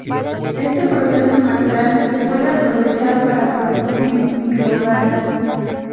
Este proceso natural se puede aprovechar para producir biogás.